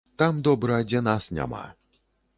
Там добра, дзе нас няма.